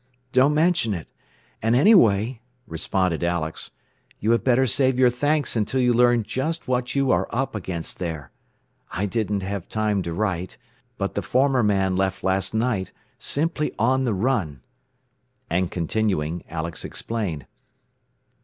"Don't mention it. And anyway," responded Alex, "you had better save your thanks until you learn just what you are up against there. I didn't have time to write but the former man left last night, simply on the run." And continuing, Alex explained.